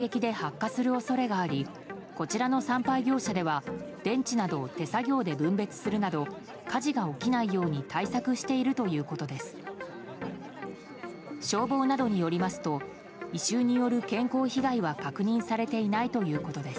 リチウムイオン電池は衝撃で発火する恐れがありこちらの産廃業者では電池などを手作業で分別するなど火事が起きないように対策しているということです。